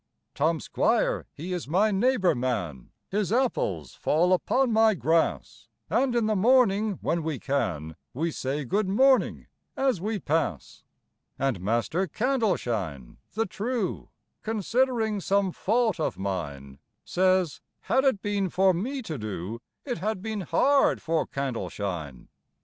Tom Squire he is my neighbour man, His apples fall upon my grass, And in the morning, when we can, We say good morning as we pass. And Master Candleshine the True, Considering some fault of mine, Says—"Had it been for me to do, It had been hard for Candleshine."